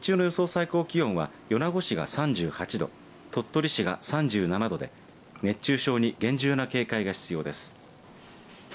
最高気温は米子市が３８度鳥取市が３７度で熱中症に厳重な警戒が必要です。